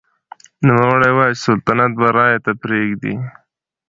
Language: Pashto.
نوموړي وايي چې سلطنت به رایې ته پرېږدي.